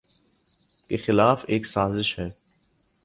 کے خلاف ایک سازش ہے۔